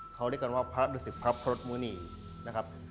เขาเรียกกันว่าพระดุสิตพระครุฑมุณีนะครับ